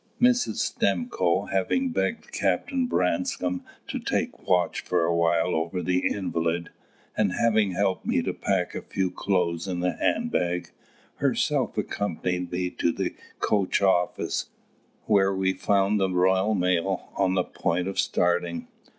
Mrs. Stimcoe, having begged Captain Branscome to take watch for a while over the invalid, and having helped me to pack a few clothes in a handbag, herself accompanied me to the coach office, where we found the Royal Mail on the point of starting.